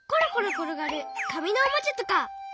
ころがるかみのおもちゃとか。